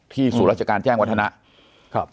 ที่สู่ราชการแจ้งวัฒนะ